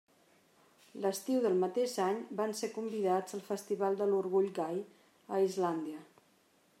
L'estiu del mateix any van ser convidats al festival de l'orgull gai a Islàndia.